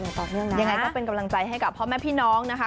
ยังไงก็เป็นกำลังใจให้กับพ่อแม่เพียน้องนะคะ